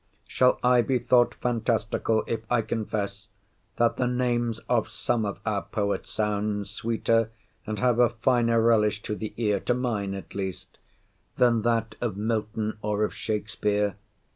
Shall I be thought fantastical, if I confess, that the names of some of our poets sound sweeter, and have a finer relish to the ear—to mine, at least—than that of Milton or of Shakspeare?